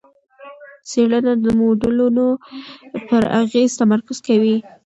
څېړنه د موډلونو پر اغېز تمرکز کوي.